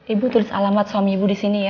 ibu tulis alamat suami ibu disini ya